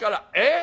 え？